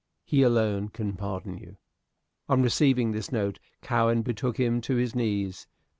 He alone can pardon you." On receiving this note, Cowen betook him to his knees.